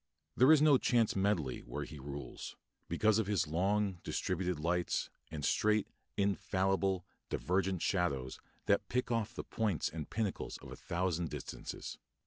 There is no chance medley where he rules, because of his long, distributed lights, and straight, infallible, divergent shadows that pick off the points and pinnacles of a thousand distances.